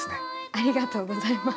ありがとうございます。